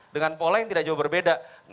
dengan pola yang tidak jauh berbeda